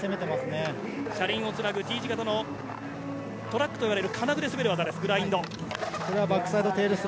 車輪をつなぐＴ字型のトラックといわれる金具で滑る技です、グラインド。